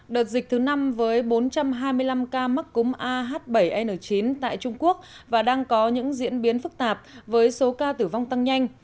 đợt dịch thứ năm với bốn trăm hai mươi năm ca mắc cúm ah bảy n chín tại trung quốc và đang có những diễn biến phức tạp với số ca tử vong tăng nhanh